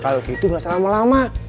kalo gitu gak usah lama lama